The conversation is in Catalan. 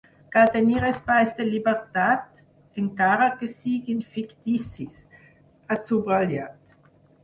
Cal tenir espais de llibertat, encara que siguin ficticis, ha subratllat.